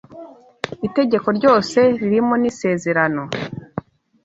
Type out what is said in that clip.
Itegeko ryose ririmo ni isezerano